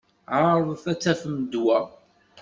Ɛeṛḍet ad tafem ddwa.